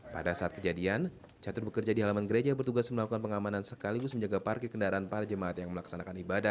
pada saat kejadian catur bekerja di halaman gereja bertugas melakukan pengamanan sekaligus menjaga parkir kendaraan para jemaat yang melaksanakan ibadah